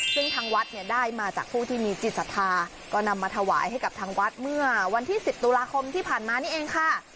ซึ่งทางวัดเนี่ยได้มาจากผู้ที่มีจิตศรัทธาก็นำมาถวายให้กับทางวัดเมื่อวันที่๑๐ตุลาคมที่ผ่านมานี่เองค่ะ